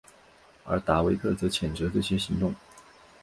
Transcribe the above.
而达维特则谴责这些行动。